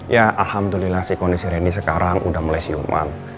ya alhamdulillah si kondisi randy sekarang udah mulai siuman